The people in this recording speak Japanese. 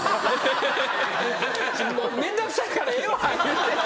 面倒くさいからええわ言うて。